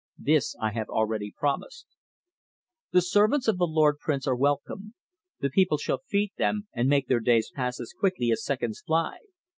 This I have already promised." "The servants of the lord prince are welcome. The people shall fête them, and make their days pass as quickly as seconds fly.